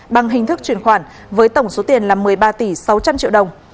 bằng hình thức chuyển khoản với tổng số tiền là một mươi ba tỷ sáu trăm linh triệu đồng